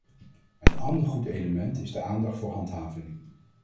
Een ander goed element is de aandacht voor handhaving.